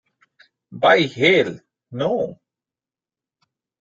By hell, no!